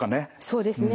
そうですね。